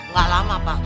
nggak lama pak